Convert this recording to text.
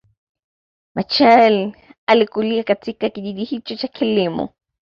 Machel alikulia katika kijiji hicho cha kilimo